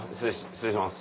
失礼します。